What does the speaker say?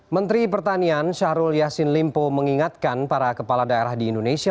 menteri pertanian syahrul yassin limpo mengingatkan para kepala daerah di indonesia